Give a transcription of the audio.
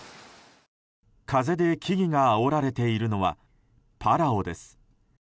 風で木々があおられているのはパラオです。